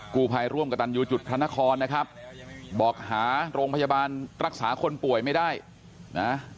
กู้ภัยร่วมกับตันยูจุดพระนครนะครับบอกหาโรงพยาบาลรักษาคนป่วยไม่ได้นะ